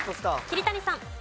桐谷さん。